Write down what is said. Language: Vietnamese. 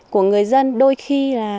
của người dân đôi khi là